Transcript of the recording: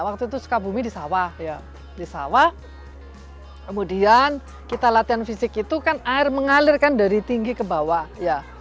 waktu itu sukabumi di sawah ya di sawah kemudian kita latihan fisik itu kan air mengalir kan dari tinggi ke bawah ya